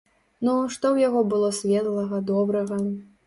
Ну, што ў яго было светлага, добрага?